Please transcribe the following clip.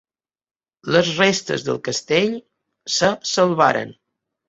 Les restes del castell se salvaren.